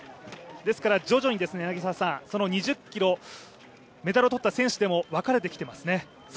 ですから徐々にその２０ｋｍメダルを取った選手でも分かれてきていますね。